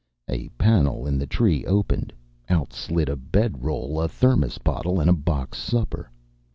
A panel in the tree opened. Out slid a bedroll, a Thermos bottle, and a box supper.